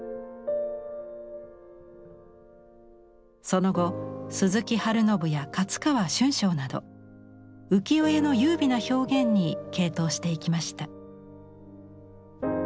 その後鈴木春信や勝川春章など浮世絵の優美な表現に傾倒していきました。